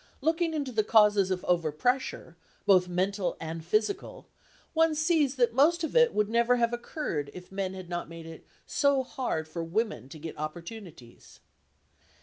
Looking into the causes of overpressure, both mental and physical, one sees that most of it would never have occurred, if men had not made it so hard for women to get opportunities.